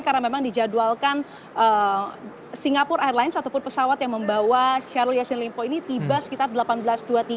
karena memang dijadwalkan singapura airlines ataupun pesawat yang membawa syahrul yassin limpo ini tiba sekitar delapan belas dua puluh tiga